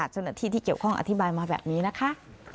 เจ้าหน้าที่ที่เกี่ยวข้องอธิบายมาแบบนี้นะคะ